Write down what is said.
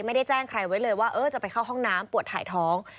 ไม่ได้แจ้งใครไว้เลยว่าจะไปเข้าห้องน้ำปวดถ่ายท้อง